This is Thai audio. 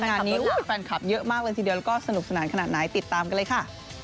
งานนี้แฟนคลับเยอะมากเลยทีเดียวแล้วก็สนุกสนานขนาดไหนติดตามกันเลยค่ะ